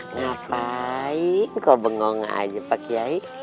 ngapain kau bengong aja pak kiai